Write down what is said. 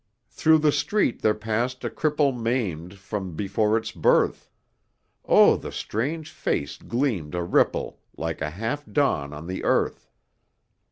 "Thro' the street there passed a cripple Maimed from before its birth; On the strange face gleamed a ripple Like a half dawn on the earth.